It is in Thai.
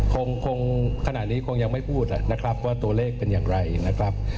คงขณะนี้คงยังไม่พูดนะครับว่าตัวเลขเป็นอย่างไรนะครับ